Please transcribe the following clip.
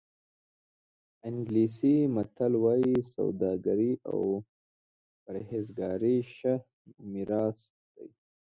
انګلیسي متل وایي سوداګري او پرهېزګاري ښه میراث دی.